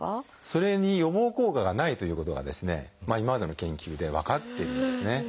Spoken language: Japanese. それに予防効果がないということが今までの研究で分かっているんですね。